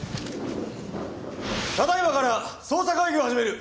ただ今から捜査会議を始める。